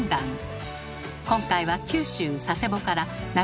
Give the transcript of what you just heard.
今回は九州佐世保から長崎までの旅。